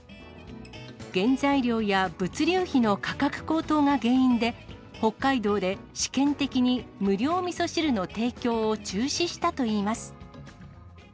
原材料や物流費の価格高騰が原因で、北海道で試験的に無料みそ汁の提供を中止したといいます。